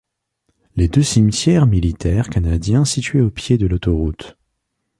Les deux cimetières militaires canadiens situés au pied de l'autoroute.